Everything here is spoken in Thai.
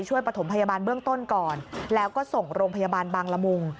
ประถมพยาบาลเบื้องต้นก่อนแล้วก็ส่งโรงพยาบาลบางละมุง